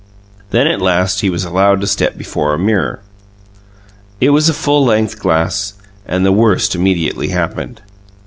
Then, at last, he was allowed to step before a mirror. It was a full length glass, and the worst immediately happened.